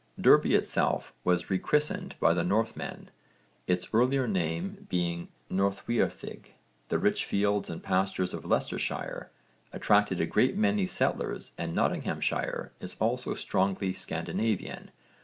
Derby itself was rechristened by the Northmen, its earlier name being 'Norðweorðig.' The rich fields and pastures of Leicestershire attracted a great many settlers and Nottinghamshire is also strongly Scandinavian.